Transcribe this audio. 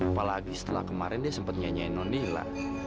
apalagi setelah kemarin dia sempat nyanyiin nonila